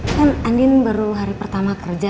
kan andin baru hari pertama kerja